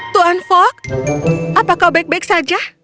tuan fog apa kau baik baik saja